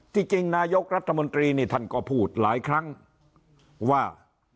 จริงนายกรัฐมนตรีนี่ท่านก็พูดหลายครั้งว่า